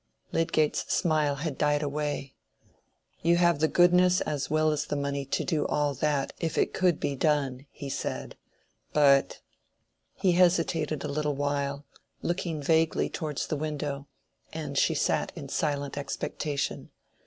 Lydgate's smile had died away. "You have the goodness as well as the money to do all that; if it could be done," he said. "But—" He hesitated a little while, looking vaguely towards the window; and she sat in silent expectation.